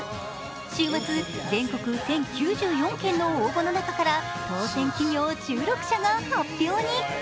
週末、全国１０９４件の応募の中から当選企業１６社が発表に。